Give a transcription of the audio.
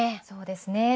そうですね。